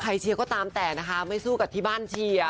เชียร์ก็ตามแต่นะคะไม่สู้กับที่บ้านเชียร์